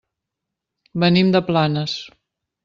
Venim de Planes.